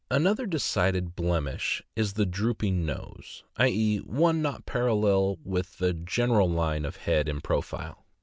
Another decided blemish is the drooping nose; i. e., one not parallel with the general line of head in profile.